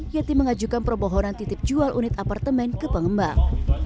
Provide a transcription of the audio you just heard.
yeti mengajukan permohonan titip jual unit apartemen ke pengembang